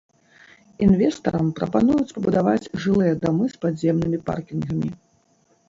Інвестарам прапануюць пабудаваць жылыя дамы з падземнымі паркінгамі.